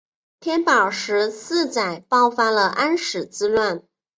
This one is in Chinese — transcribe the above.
天宝十四载爆发了安史之乱。